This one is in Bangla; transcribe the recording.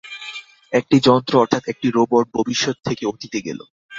একটি যন্ত্র অর্থাৎ একটি রোবট ভবিষ্যত থেকে অতীতে গেল!